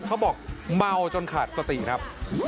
เขาบอกเมาจนขาดสติครับ